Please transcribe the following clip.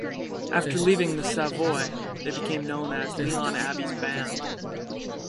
After leaving the Savoy they became known as Leon Abbey's Band.